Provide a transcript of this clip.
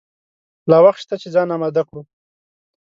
لا وخت شته چې ځان آمده کړو.